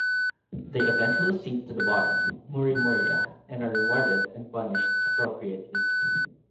They eventually sink to the bottom, Murimuria, and are rewarded and punished appropriately.